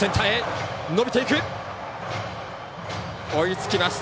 追いつきました。